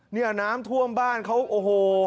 เนี่ยน้ำท่วมบ้านเขาโอ้โห